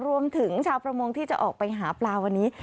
รวมถึงชาวประมงที่จะออกไปหาปลาวันนี้